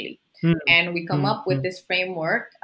dan kami menemukan framework ini